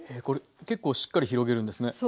これ結構しっかり広げるんですね。